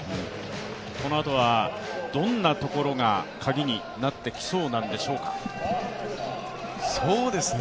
このあとはどんなところがカギになってきそうなんでしょうか？